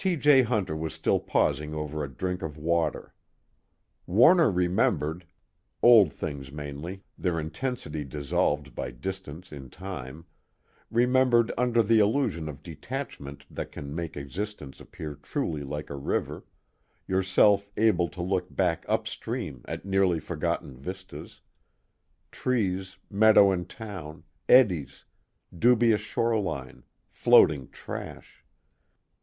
J. Hunter was still pausing over a drink of water. Warner remembered old things mainly, their intensity dissolved by distance in time; remembered, under the illusion of detachment that can make existence appear truly like a river, yourself able to look back upstream at nearly forgotten vistas: trees, meadow and town, eddies, dubious shoreline, floating trash.